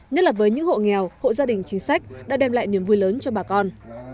nhất là với những hộ nghèo hộ gia đình chính sách đã đem lại niềm vui lớn cho bà con